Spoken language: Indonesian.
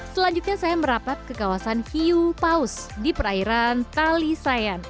selanjutnya saya merapat ke kawasan hiupaus di perairan talisayan